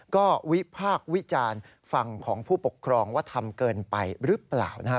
ก็วิพากษ์วิจารณ์ฝั่งของผู้ปกครองว่าทำเกินไปหรือเปล่านะครับ